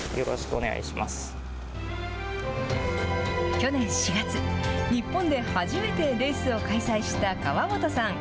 去年４月、日本で初めてレースを開催した川本さん。